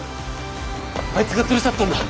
あいつが連れ去ったんだ！